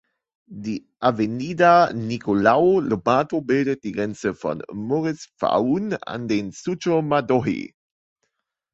Die "Avenida Nicolau Lobato" bildet die Grenze von Moris Foun an den Suco Madohi.